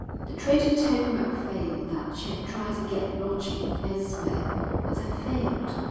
The trader told Macphail that she had tried to get lodging elsewhere, but had failed.